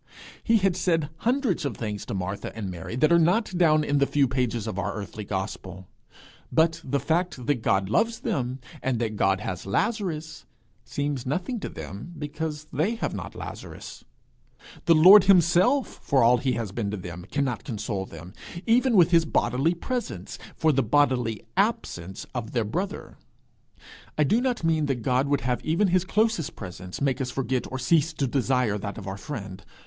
He had said hundreds of things to Martha and Mary that are not down in the few pages of our earthly gospel; but the fact that God loves them, and that God has Lazarus, seems nothing to them because they have not Lazarus! The Lord himself, for all he has been to them, cannot console them, even with his bodily presence, for the bodily absence of their brother. I do not mean that God would have even his closest presence make us forget or cease to desire that of our friend.